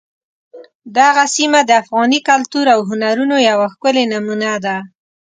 دغه سیمه د افغاني کلتور او هنرونو یوه ښکلې نمونه ده.